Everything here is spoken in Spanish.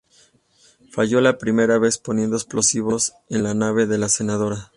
Falló la primera vez poniendo explosivos en la nave de la senadora.